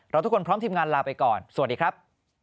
ทุกคนพร้อมทีมงานลาไปก่อนสวัสดีครับ